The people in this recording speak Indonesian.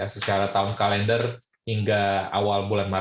secara tahun kalender hingga awal bulan maret